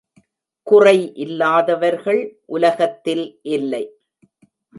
குறை இல்லாதவர்கள் உலகத்தில் இல்லை.